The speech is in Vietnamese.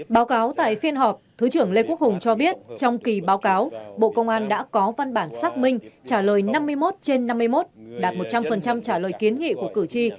báo cáo tại phiên họp thứ trưởng lê quốc hùng cho biết trong kỳ báo cáo bộ công an đã có văn bản xác minh trả lời năm mươi một trên năm mươi một đạt một trăm linh trả lời kiến nghị của cử tri